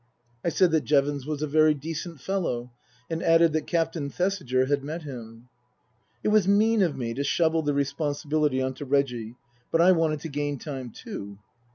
I said that Jevons was a very decent fellow, and added that Captain Thesiger had met him. It was mean of me to shovel the responsibility on to Reggie, but I wanted to gain time, too.